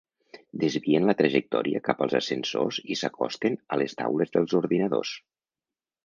Desvien la trajectòria cap als ascensors i s'acosten a les taules dels ordinadors.